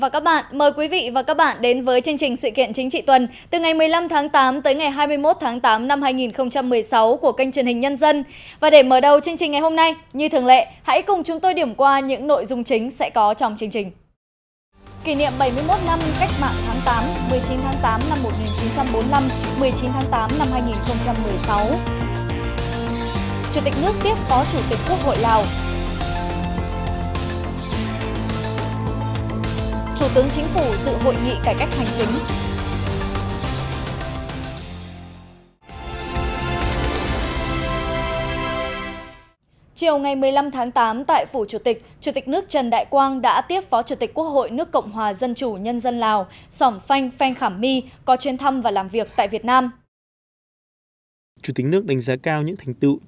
các bạn hãy đăng ký kênh để ủng hộ kênh của chúng mình nhé